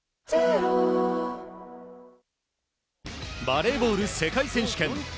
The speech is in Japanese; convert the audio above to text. バレーボール世界選手権。